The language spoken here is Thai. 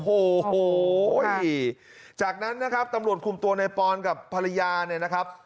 โอ้โหจากนั้นนะครับตำรวจคุมตัวในปอนกับภรรยาเนี่ยนะครับ